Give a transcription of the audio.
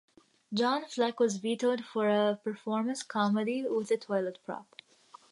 John Fleck was vetoed for a performance comedy with a toilet prop.